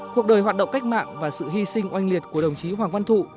cuộc đời hoạt động cách mạng và sự hy sinh oanh liệt của đồng chí hoàng văn thụ